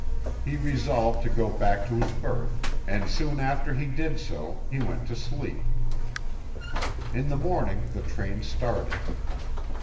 He resolved to go back to his berth and soon after he did so he went to sleep. In the morning the train started.